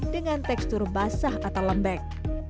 dengan tekstur basah atau lembek